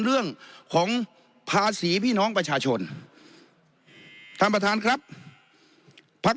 เรื่องของภาษีพี่น้องประชาชนท่านประธานครับพัก